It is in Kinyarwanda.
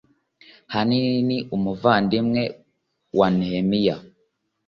hanani ni umuvandimwe wa nehemiya .